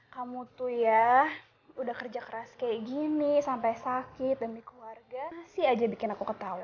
kamu tuh ya udah kerja keras kayak gini sampai sakit demi keluarga sih aja bikin aku ketawa